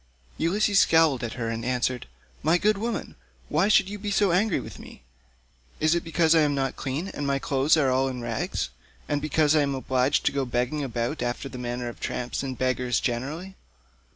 Ulysses scowled at her and answered, "My good woman, why should you be so angry with me? Is it because I am not clean, and my clothes are all in rags, and because I am obliged to go begging about after the manner of tramps and beggars generally?